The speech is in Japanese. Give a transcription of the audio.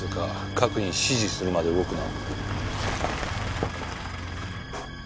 各自指示するまで動くな。